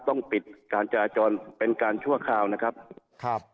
ต้องปิดการจราจรเป็นการชั่วคราวนะครับครับ